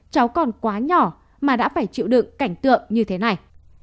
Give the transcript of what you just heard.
cháu còn quá nhỏ mà đã phải chịu đựng cảnh tượng như thế này